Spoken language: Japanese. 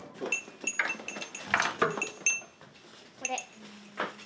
これ。